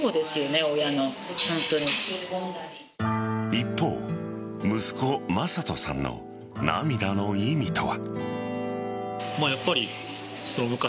一方息子・匡人さんの涙の意味とは。